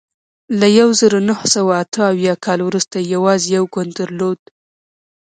له یوه زرو نهه سوه اته اویا کال وروسته یې یوازې یو ګوند درلود.